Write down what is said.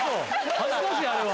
恥ずかしいあれは。